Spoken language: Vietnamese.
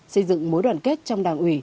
xây dựng mối đoàn kết trong đảng ủy